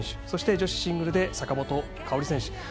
そして、女子シングルで坂本花織選手。